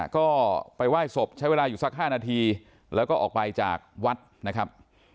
ก็ไปไหว้ศพใช้เวลาอยู่สัก๕นาทีแล้วก็ออกไปจากวัดนะครับ